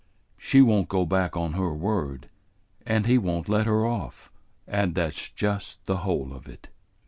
She won't go back on her word, and he won't let her off, and that's just the whole of it."